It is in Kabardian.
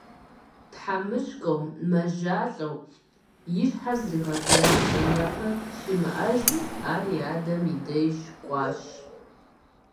ТхьэмыщкӀэу, мэжэщӀалӀэу, и щхьэр зригъэзын плӀанэпэ щимыӀэжым, ар и адэм и деж кӏуащ.